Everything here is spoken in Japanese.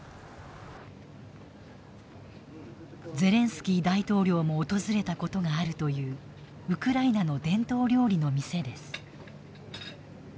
ゼレンスキー大統領も訪れたことがあるというウクライナの伝統料理の店です。